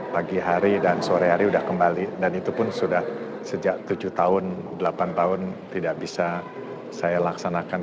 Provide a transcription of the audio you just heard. pagi hari dan sore hari sudah kembali dan itu pun sudah sejak tujuh tahun delapan tahun tidak bisa saya laksanakan